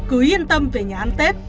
cứ yên tâm về nhà ăn tết